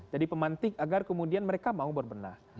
jadi pemantik agar kemudian mereka mau berbenah